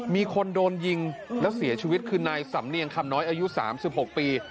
มีคนโดนยิงแล้วเสียชีวิตคือนายสำเนียงคำน้อยอายุ๓๖ปี